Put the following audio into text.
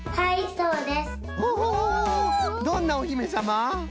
どんなおひめさま？